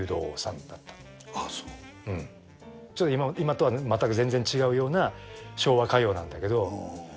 うん今とはまったく全然違うような昭和歌謡なんだけど。